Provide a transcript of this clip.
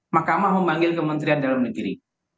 mahkamah memanggil kementerian dalam negeri